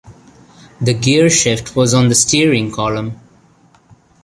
The gearshift was on the steering column.